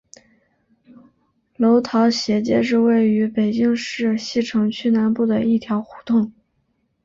楼桃斜街是位于北京市西城区南部的一条胡同。